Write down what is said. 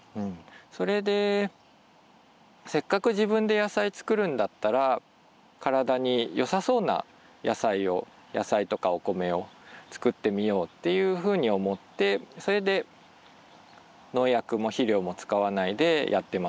それでせっかく自分で野菜作るんだったら体によさそうな野菜を野菜とかお米を作ってみようっていうふうに思ってそれで農薬も肥料も使わないでやってます。